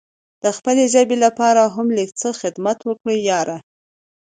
د خپلې ژبې لپاره هم لږ څه خدمت وکړه یاره!